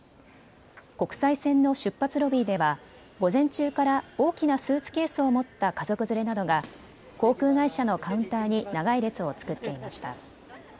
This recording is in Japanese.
国際線の出発ロビーでは午前中から大きなスーツケースを持った家族連れなどが航空会社のカウンターに長い列を作っていました。